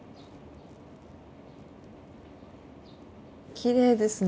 きれいですね。